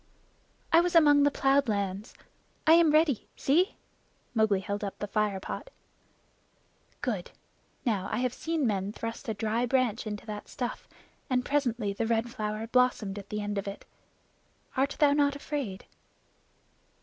"I was among the plowed lands. I am ready. See!" Mowgli held up the fire pot. "Good! Now, I have seen men thrust a dry branch into that stuff, and presently the Red Flower blossomed at the end of it. Art thou not afraid?"